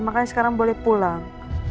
makanya sekarang boleh pulang